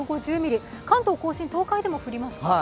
関東甲信東海でも降りますか？